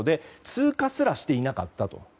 通過すらしていなかったと。